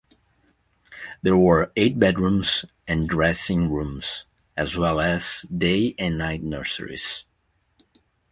There were eight bedrooms and dressing rooms as well as day and night nurseries.